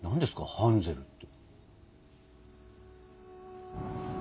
ハンゼルって。